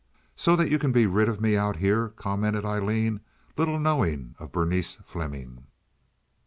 "So that you can get rid of me out here," commented Aileen, little knowing of Berenice Fleming.